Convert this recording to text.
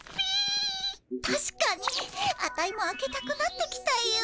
たしかにアタイも開けたくなってきたよ。